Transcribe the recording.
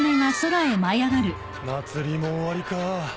祭りも終わりか。